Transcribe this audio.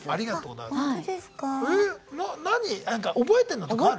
なんか覚えてんのとかある？